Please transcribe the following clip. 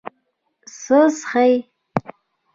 څه څښې؟